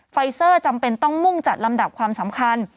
ไฟเซอร์จำเป็นต้องมุ่งจัดลำดับความสำคัญ